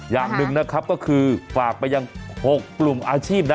อย่างหนึ่งนะครับก็คือฝากไปยัง๖กลุ่มอาชีพนะ